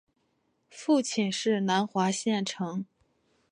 父亲是南华县丞。